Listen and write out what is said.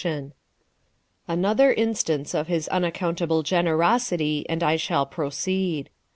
Another instance of his unaccountable generosity, and I shall proceed.